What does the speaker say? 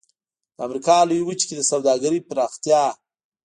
د امریکا لویې وچې کې د سوداګرۍ پراختیا.